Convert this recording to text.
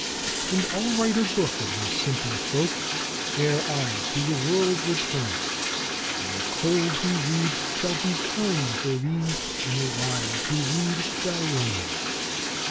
And 'I'll write a book of these simple folk ere I to the world return, 'And the cold who read shall be kind for these and the wise who read shall learn.